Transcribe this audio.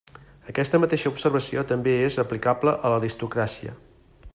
Aquesta mateixa observació també és aplicable a l'aristocràcia.